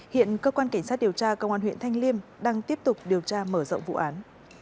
hiện cơ quan cảnh sát điều tra công an huyện thanh liêm đang tiếp tục điều tra mở rộng vụ án